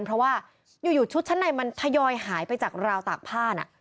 เพราะว่าอยู่ชุดชั้นในมันทยอยหายไปจากราวตากผ้าน่ะ